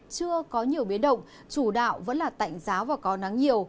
chưa có nhiều biến động chủ đạo vẫn là tạnh giáo và có nắng nhiều